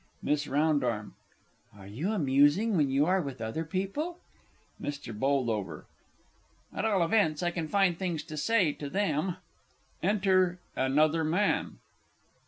MISS R. Are you amusing when you are with other people? MR. B. At all events I can find things to say to them. Enter ANOTHER MAN.